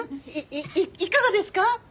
いいかがですか？